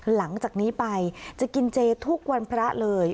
หลังจากนี้ไปจะกินเจทุกวันพระเลย